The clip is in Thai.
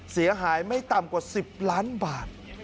เสียหายไม่ต่ำกว่า๑๐ล้านบาท